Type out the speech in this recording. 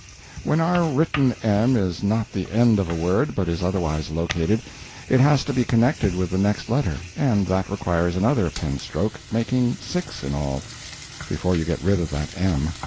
When our written m is not the end of a word, but is otherwise located, it has to be connected with the next letter, and that requires another pen stroke, making six in all, before you get rid of that m.